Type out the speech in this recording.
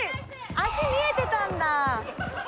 足見えてたんだ。